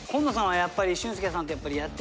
やっぱり。